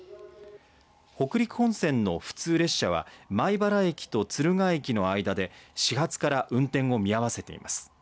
北陸本線の普通列車は米原駅と敦賀駅の間で始発から運転を見合わせています。